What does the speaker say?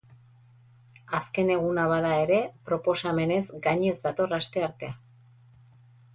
Azken eguna bada ere, proposamenez gainez dator asteartea.